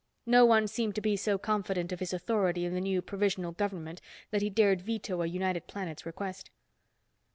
No one seemed to be so confident of his authority in the new provisional government that he dared veto a United Planets request.